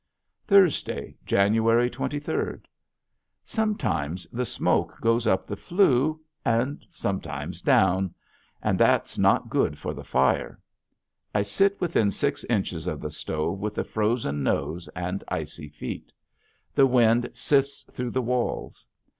Thursday, January twenty third. Sometimes the smoke goes up the flue and sometimes down. And that's not good for the fire. I sit within six inches of the stove with a frozen nose and icy feet. The wind sifts through the walls.